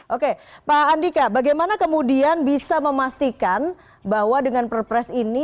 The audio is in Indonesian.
oke pak andika bagaimana kemudian bisa memastikan bahwa dengan perpres ini